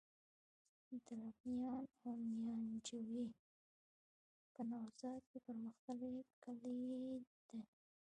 دره میان او ميانجوی په نوزاد کي پرمختللي کلي دي.